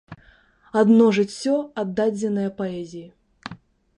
Адно жыццё, аддадзенае паэзіі.